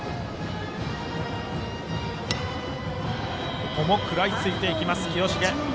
ここも食らいついていきます清重。